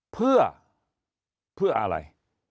เพื่อเพื่ออะไร